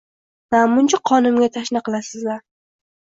Namuncha qonimga tashna qilasizlar